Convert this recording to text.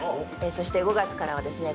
そして５月からはですね